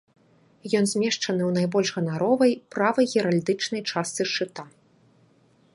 Ён змешчаны ў найбольш ганаровай, правай геральдычнай частцы шчыта.